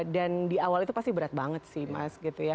dan di awal itu pasti berat banget sih mas gitu ya